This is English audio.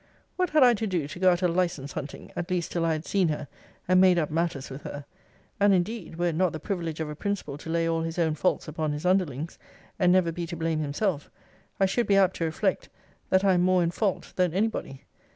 What had I to do to go out a license hunting, at least till I had seen her, and made up matters with her? And indeed, were it not the privilege of a principal to lay all his own faults upon his underlings, and never be to blame himself, I should be apt to reflect, that I am more in fault than any body.